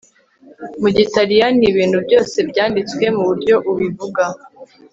mu gitaliyani ibintu byose byanditswe muburyo ubivuga